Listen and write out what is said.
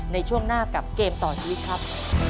ในช่วงหน้ากับเกมต่อชีวิตครับ